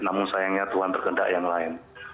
namun sayangnya tuhan berkendak yang lain